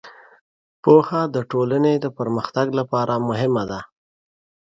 پوهه د ټولنې د پرمختګ لپاره مهمه ده.